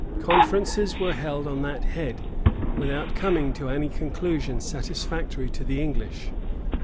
Conferences were held on that head, without coming to any conclusion satisfactory to the English.